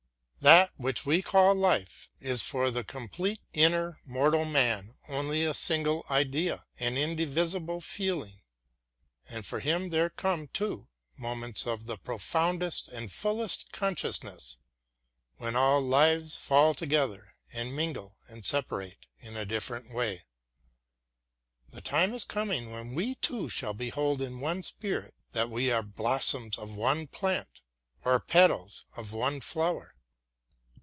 That which we call a life is for the complete, inner, immortal man only a single idea, an indivisible feeling. And for him there come, too, moments of the profoundest and fullest consciousness, when all lives fall together and mingle and separate in a different way. The time is coming when we two shall behold in one spirit that we are blossoms of one plant, or petals of one flower.